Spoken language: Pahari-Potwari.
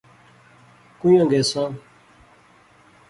کوئیاں گیساں؟